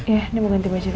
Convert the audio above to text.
ya gue ganti baju dulu